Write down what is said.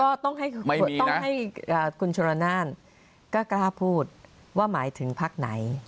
ก็ต้องให้คุณชรนานก็กล้าพูดว่าหมายถึงพักไหน